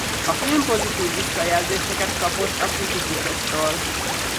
A film pozitív visszajelzéseket kapott a kritikusoktól.